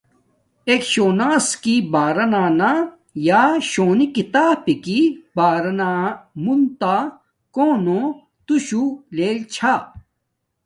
ایک شونا سکی بارانا یا شونی کتابی کی بارانا منتا کونو تو شو لیل چھا۔